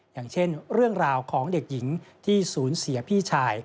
อย่างเช่นเรื่องราวของเด็กหญิงที่ศูนย์เสียพี่ชาย